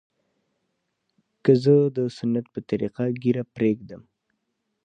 که زه د سنت په طريقه ږيره پرېږدم.